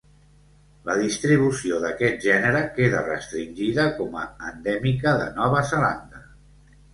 La distribució d'aquest gènere queda restringida com a endèmica de Nova Zelanda.